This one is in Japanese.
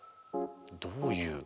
どういう？